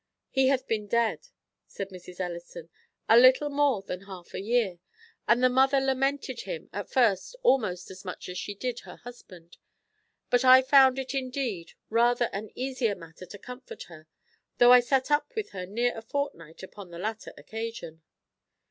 "He hath been dead," said Mrs. Ellison, "a little more than half a year; and the mother lamented him at first almost as much as she did her husband, but I found it indeed rather an easier matter to comfort her, though I sat up with her near a fortnight upon the latter occasion."